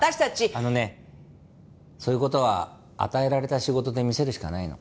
あのねそういう事は与えられた仕事で見せるしかないの。